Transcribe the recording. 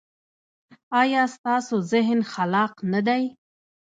ایا ستاسو ذهن خلاق نه دی؟